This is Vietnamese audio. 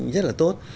rất là tốt